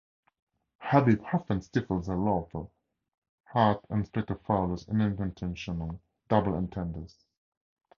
Habib often stifles her laughter at Inspector Fowler's unintentional double-entendres.